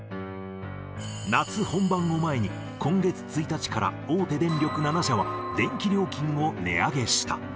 夏本番を前に、今月１日から大手電力７社は、電気料金を値上げした。